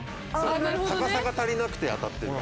高さが足りなくて当たってるからさ。